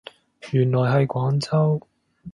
原來係廣州